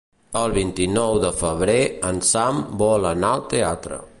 El vint-i-nou de febrer en Sam vol anar al teatre.